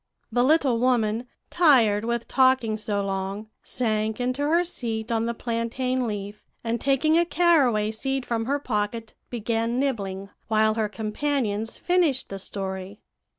"The little woman, tired with talking so long, sank into her seat on the plantain leaf, and taking a caraway seed from her pocket, began nibbling, while her companions finished the story.